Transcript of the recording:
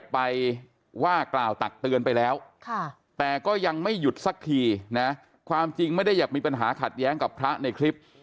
ความจริงไม่ได้อยากมีปัญหาขัดแย้งกับพระในคลิป